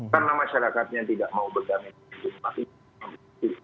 karena masyarakatnya tidak mau pegang itu